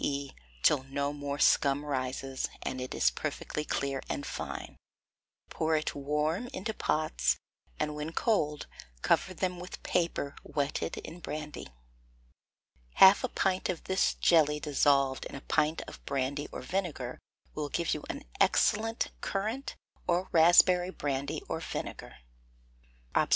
e._ till no more scum rises, and it is perfectly clear and fine; pour it warm into pots, and when cold, cover them with paper wetted in brandy. Half a pint of this jelly dissolved in a pint of brandy or vinegar will give you an excellent currant or raspberry brandy or vinegar. _Obs.